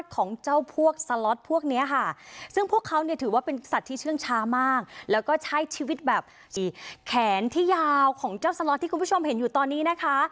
ของเจ้าสล็อตที่คุณผู้ชมเห็นอยู่ตอนนี้นะคะ